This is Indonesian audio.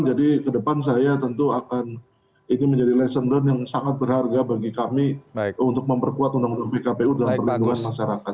jadi ke depan saya tentu akan menjadi lesson learn yang sangat berharga bagi kami untuk memperkuat undang undang pkpu dalam perlindungan masyarakat